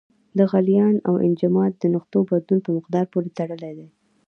د غلیان او انجماد د نقطو بدلون په مقدار پورې تړلی دی.